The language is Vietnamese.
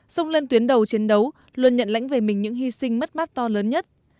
sông lên tuyến đầu chiến đấu luôn nhận lãnh về mình những hy sinh mất mát to lớn nhất